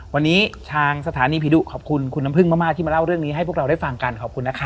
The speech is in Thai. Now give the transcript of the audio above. วันนี้ทางสถานีผีดุขอบคุณคุณน้ำพึ่งมากที่มาเล่าเรื่องนี้ให้พวกเราได้ฟังกันขอบคุณนะคะ